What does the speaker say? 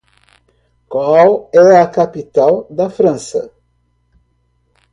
Qual é a capital da França?